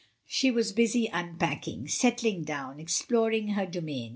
She was busy unpacking, settling down, exploring her domain.